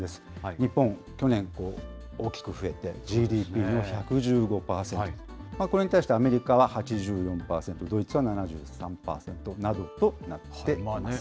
日本、去年、大きく増えて、ＧＤＰの１１５％、これに対してアメリカは８４％、ドイツは７３％などとなっています。